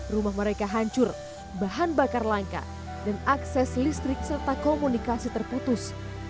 rumah mereka hancur bahan bakar langka dan akses listrik serta komunikasi terputus